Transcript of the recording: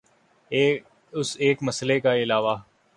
اس ایک مسئلے کے علاوہ